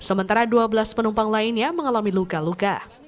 sementara dua belas penumpang lainnya mengalami luka luka